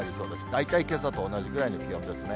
大体けさと同じぐらいの気温ですね。